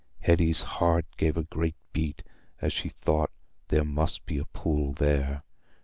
Hetty's heart gave a great beat as she thought there must be a pool there.